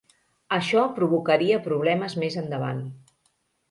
Això provocaria problemes més endavant.